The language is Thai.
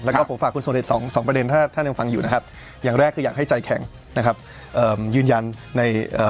แล้วก็ผมฝากคุณสมเด็จสองสองประเด็นถ้าท่านยังฟังอยู่นะครับอย่างแรกคืออยากให้ใจแข็งนะครับเอ่อยืนยันในเอ่อ